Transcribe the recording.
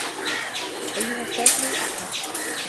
أيّها السّافل الأحمق!